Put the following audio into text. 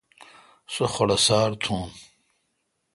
سو خڈوسار تھون۔